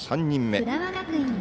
３人目。